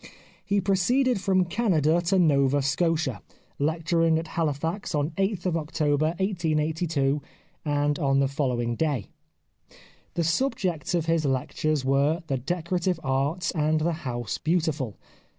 He proceeded from Canada to Nova Scotia, lecturing at Halifax on 8th October 1882, and on the following day. The subjects of his lectures were " The Decorative Arts " and " The House Beautiful."